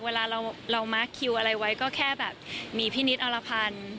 เวลาเรามาร์คคิวอะไรไว้ก็แค่แบบมีพี่นิดอรพันธ์